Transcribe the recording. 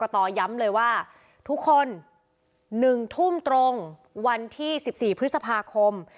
ทุกคนหนึ่งทุ่มตรงวันที่สิบสี่พฤษภาคม